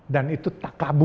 dan itu tak kabur